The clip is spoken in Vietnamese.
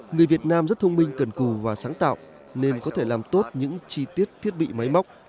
người việt nam rất thông minh cần cù và sáng tạo nên có thể làm tốt những chi tiết thiết bị máy móc